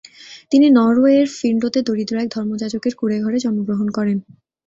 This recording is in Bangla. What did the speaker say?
তিনি নরওয়ের ফিন্ডোতে দরিদ্র এক ধর্মযাজকের কুঁড়েঘরে জন্মগ্রহণ করেন।